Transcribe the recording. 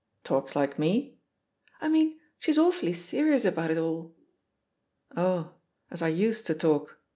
"Talks like me?" "I mean she's awfully serious about it alL'* "Oh, as I used to talk?"